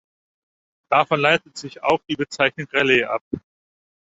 Davon leitet sich auch die Bezeichnung Rallye ab.